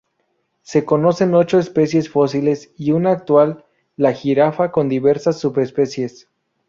Se conocen ocho especies fósiles y una actual, la jirafa, con diversas subespecies.